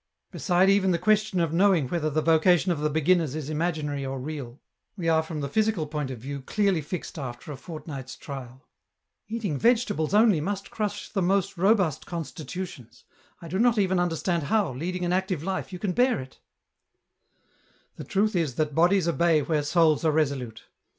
Beside even the question of knowing whether the vocation of the beginners is imaginary f 30O EN ROUTE. or real, we are from the physical point of view clearly fixed after a fortnight's trial." " Eatmg vegetables only must crush the most robust constitutions ; I do not even understand how, leading an active life, you can bear it/' " The truth is that bodies obey where souls are resolute.